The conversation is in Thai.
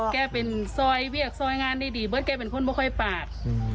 แกเป็นซอยเรียกซอยงานดีเบิร์ดแกเป็นคนไม่ค่อยปาด